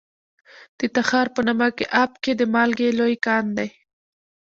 د تخار په نمک اب کې د مالګې لوی کان دی.